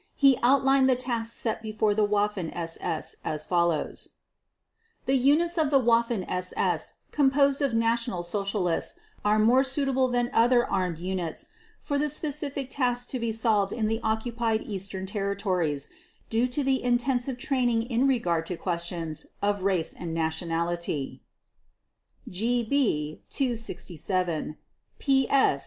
He outlined the tasks set before the Waffen SS as follows: "The units of the Waffen SS composed of National Socialists are more suitable than other armed units for the specific tasks to be solved in the occupied Eastern territories due to the intensive training in regard to questions of race and nationality" (GB 267, PS 3245).